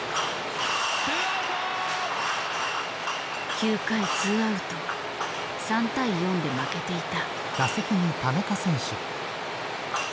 ９回ツーアウト３対４で負けていた。